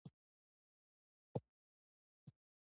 وروسته شیخه عایشه راپورته شوه او خبرې یې پیل کړې.